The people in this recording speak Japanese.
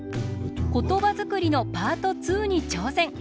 「ことばづくり！」のパート２にちょうせん。